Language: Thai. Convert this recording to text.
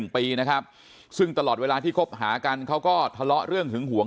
๑ปีนะครับซึ่งตลอดเวลาที่คบหากันเขาก็ทะเลาะเรื่องหึงหวง